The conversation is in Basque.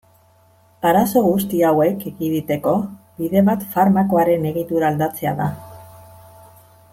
Arazo guzti hauek ekiditeko bide bat farmakoaren egitura aldatzea da.